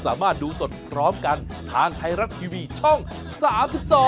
สวัสดีค่ะ